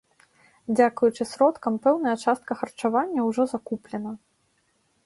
Дзякуючы сродкам, пэўная частка харчавання ўжо закуплена.